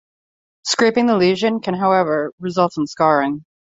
Scraping the lesion can however result in scarring.